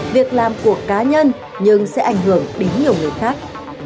việc làm của cá nhân nhưng sẽ ảnh hưởng đến nhiều người khác